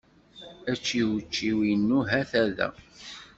Ačiwčiw-inu hata da.